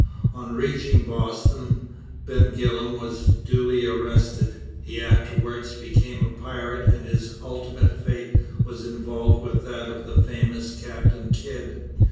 On reaching Boston, Ben Gillam was duly arrested. He afterwards became a pirate, and his ultimate fate was involved with that of the famous Captain Kidd.